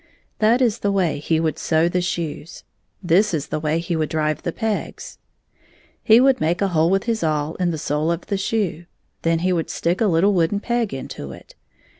That is the way he would sew the shoes ;— this is the way he would drive the pegs : He would make a hole with his awl in the sole of the shoe. Then he would stick a little wooden peg into it.